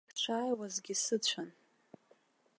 Сшааиуазгьы сыцәан.